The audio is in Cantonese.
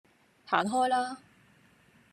行開啦